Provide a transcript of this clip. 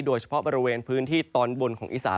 โดยเฉพาะบริเวณพื้นที่ตอนบนของอีสาน